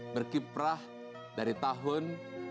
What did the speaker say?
berkiprah dari tahun dua ribu